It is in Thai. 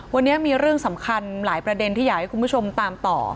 วันนี้มีเรื่องสำคัญหลายประเด็นที่อยากให้คุณผู้ชมตามต่อ